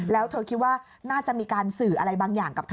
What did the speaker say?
แล้วเธอคิดว่าน่าจะมีการสื่ออะไรบางอย่างกับเธอ